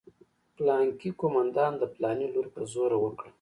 پلانکي قومندان د پلاني لور په زوره وکړه.